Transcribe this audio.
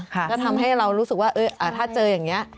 ก็ทำให้เรารู้สึกว่าถ้าเจออย่างนี้